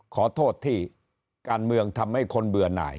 ขอโทษที่การเมืองทำให้คนเบื่อหน่าย